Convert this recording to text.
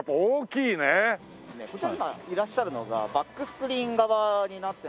こちら今いらっしゃるのがバックスクリーン側になって。